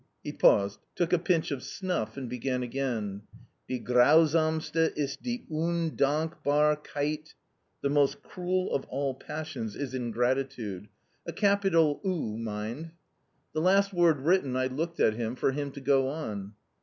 He paused, took a pinch of snuff, and began again: "Die grausamste ist die Un dank bar keit [The most cruel of all passions is ingratitude.] a capital U, mind." The last word written, I looked at him, for him to go on.